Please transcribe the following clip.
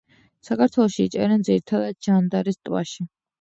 საქართველოში იჭერენ ძირითადად ჯანდარის ტბაში.